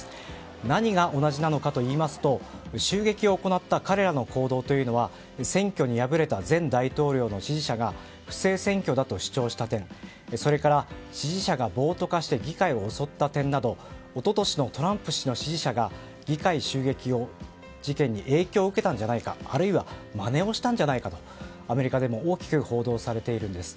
何が同じなのかといいますと襲撃を行った彼らの行動というのは選挙に敗れた前大統領の支持者が不正選挙だと主張した点それから、支持者が暴徒化して議会を襲った点など一昨年のトランプ氏の支持者が議会襲撃の影響を受けたんじゃないかあるいはまねをしたんじゃないかとアメリカでも大きく報道されているんです。